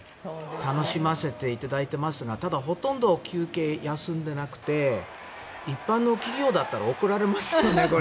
楽しませていただいていますがただ、ほとんど休憩休んでいなくて一般の企業だったら怒られますよね。